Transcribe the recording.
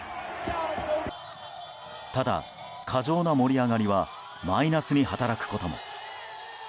ただ過剰な盛り上がりはマイナスに働くことも。